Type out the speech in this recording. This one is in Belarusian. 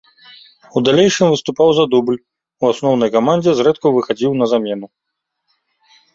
У далейшым выступаў за дубль, у асноўнай камандзе зрэдку выхадзіў на замену.